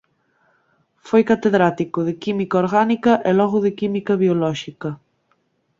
Foi catedrático de química orgánica e logo de química biolóxica.